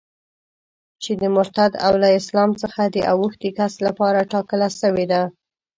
چي د مرتد او له اسلام څخه د اوښتي کس لپاره ټاکله سوې ده.